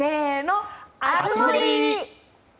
熱盛！